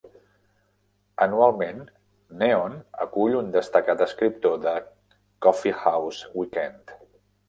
Anualment, "Neon" acull un destacat escriptor de "Coffeehouse Weekend.